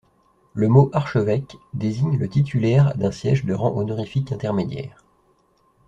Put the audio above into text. Le mot archevêque désigne le titulaire d'un siège de rang honorifique intermédiaire.